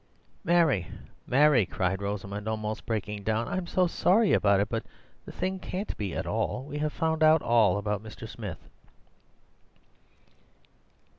"Mary, Mary," cried Rosamund, almost breaking down, "I'm so sorry about it, but the thing can't be at all. We—we have found out all about Mr. Smith."